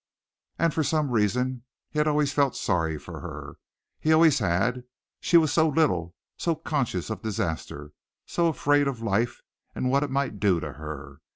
And for some reason he had always felt sorry for her he always had. She was so little, so conscious of disaster, so afraid of life and what it might do to her.